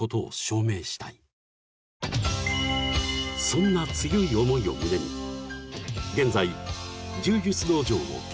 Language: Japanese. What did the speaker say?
［そんな強い思いを胸に現在］